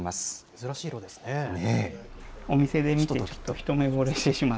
珍しい色ですね。